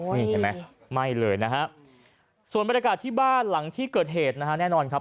นี่เห็นไหมไหม้เลยนะฮะส่วนบรรยากาศที่บ้านหลังที่เกิดเหตุนะฮะแน่นอนครับ